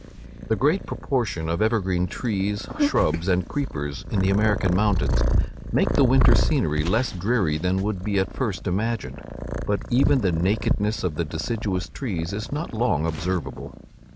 The great proportion of evergreen trees, shrubs, and creepers, in the American mountains, make the winter scenery less dreary than would be at first imagined; but even the nakedness of the deciduous trees is not long observable.